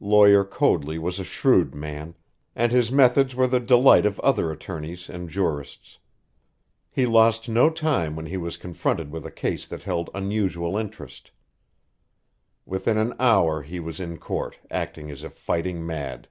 Lawyer Coadley was a shrewd man, and his methods were the delight of other attorneys and jurists. He lost no time when he was confronted with a case that held unusual interest. Within an hour he was in court, acting as if fighting mad.